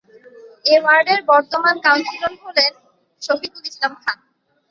এ ওয়ার্ডের বর্তমান কাউন্সিলর হলেন শফিকুল ইসলাম খান।